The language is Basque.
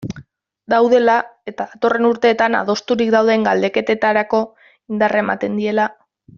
Daudela eta datorren urteetan adosturik dauden galdeketetarako indarra ematen diela.